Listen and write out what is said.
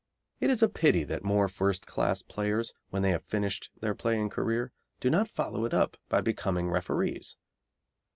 It is a pity that more first class players, when they have finished their playing career, do not follow it up by becoming referees.